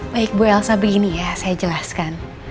baik bu elsa begini ya saya jelaskan